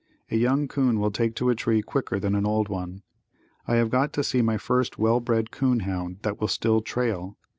A young 'coon will take to a tree quicker than an old one. I have got to see my first well bred 'coon hound that will still trail.